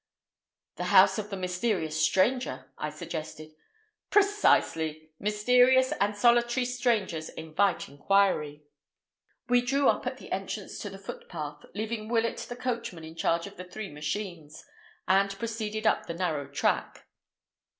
"The house of the mysterious stranger," I suggested. "Precisely. Mysterious and solitary strangers invite inquiry." We drew up at the entrance to the footpath, leaving Willett the coachman in charge of the three machines, and proceeded up the narrow track.